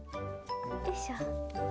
よいしょ。